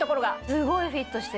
すごいフィットしてる。